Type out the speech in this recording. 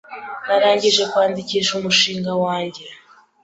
Narangije kwandikisha umushinga wanjye